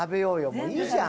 もういいじゃん。